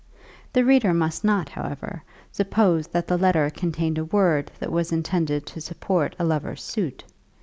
The reader must not, however, suppose that the letter contained a word that was intended to support a lover's suit.